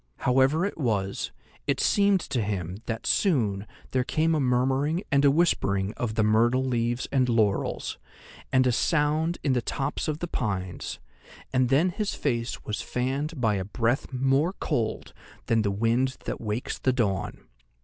However it was, it seemed to him that soon there came a murmuring and a whispering of the myrtle leaves and laurels, and a sound in the tops of the pines, and then his face was fanned by a breath more cold than the wind that wakes the dawn.